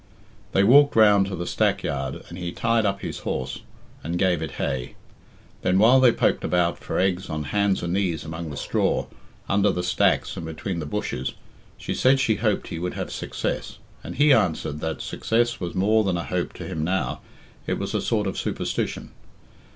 They walked round to the stackyard, and he tied up his horse and gave it hay. Then, while they poked about for eggs on hands and knees among the straw, under the stacks and between the bushes, she said she hoped he would have success, and he answered that success was more than a hope to him now it was a sort of superstition.